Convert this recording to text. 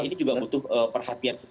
ini juga butuh perhatian